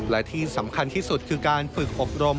และที่สำคัญที่สุดคือการฝึกอบรม